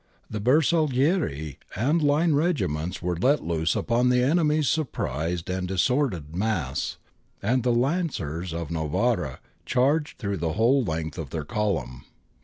The Bersaglieri and line regiments were let loose upon the enemy's surprised and disordered mass, and the lancers of Novara charged through the whole length of their column.